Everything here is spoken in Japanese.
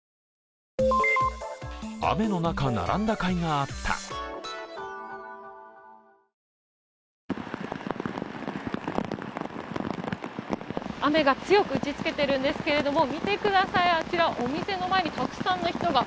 雨が強く打ちつけているんですけれども、見てください、あちら、お店の前にたくさんの人が。